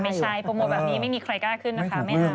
ไม่ใช่โปรโมทแบบนี้ไม่มีใครกล้าขึ้นนะคะไม่เอา